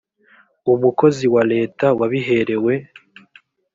umukozi wa leta wabiherewe